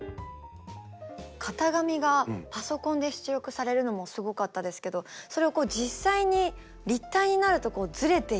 型紙がパソコンで出力されるのもすごかったですけどそれを実際に立体になるとずれている。